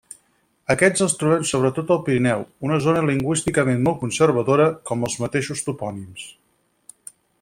Aquests els trobem sobretot al Pirineu, una zona lingüísticament molt conservadora, com els mateixos topònims.